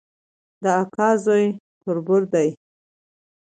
د اکا زوی تربور دی